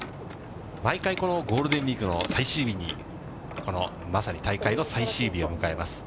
毎回このゴールデンウィークの最終日に、このまさに大会の最終日を迎えます。